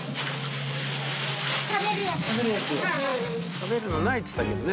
食べるのないって言ったけどね